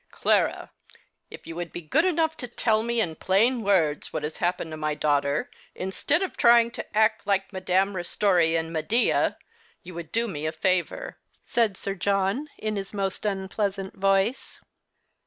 " Clara, if yon wonld be good enough to tell me in plain words what has happened to my daughter, instead of trying to act like IMadame Ristori in Medea, you would do me a favour," said Sir John, in liis most un])leasant voice.